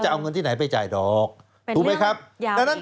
ก็ต้องไปทำไม